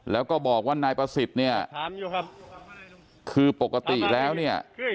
แล้วก็บอกว่านายประสิทธิ์เนี่ยคือปกติแล้วเนี่ย